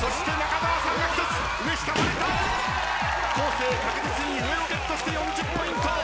生確実に上をゲットして４０ポイント。